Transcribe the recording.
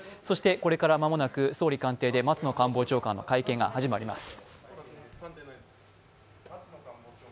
これから間もなく総理官邸で松野官房長官の会見が始まります。